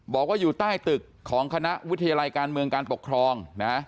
บอกว่าอยู่ใต้ตึกของคณะวิทยาลัยการเมืองการปกครองนะ